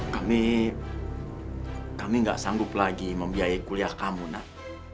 kami kami tidak sanggup lagi membiayai kuliah kamu nak